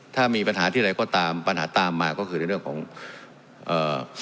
ถ้ามีปัญหาที่อะไรก็ตามปัญหาตามมาก็คือในเรื่องของเอ่อ